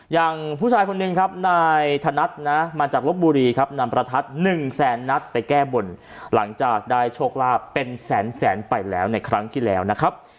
อย่างผู้ชายคนหนึ่งครับนายธนัดนะมาจากลบบุรีครับนำประทัด๑แสนนัดไปแก้บนหลังจากได้โชคลาภเป็นแสนแสนไปแล้วในครั้งที่แล้วนะครับ